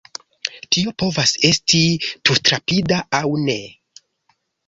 Tio povas esti tutrapida, aŭ ne.